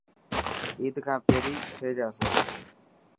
عيد کان پهري ٿي جاسي.